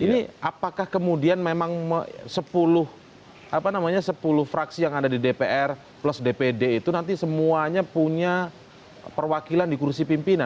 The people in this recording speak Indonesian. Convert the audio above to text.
ini apakah kemudian memang sepuluh fraksi yang ada di dpr plus dpd itu nanti semuanya punya perwakilan di kursi pimpinan